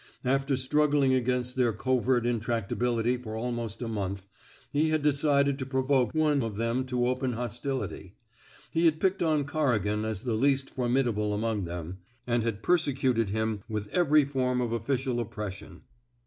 After struggling against their covert intractability for almost a month, he had decided to provoke some one of them to open hostility; he had picked on Corrigan as the least formidable among them, and had 264 A PERSONALLY CONDUCTED REVOLT persecuted him with every form of official oppression.